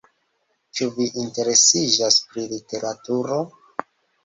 Ĉu vi interesiĝas pri literaturo?